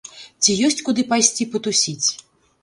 Ці ёсць куды пайсці патусіць?